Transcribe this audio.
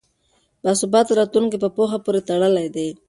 باثباته راتلونکی په پوهه پورې تړلی دی.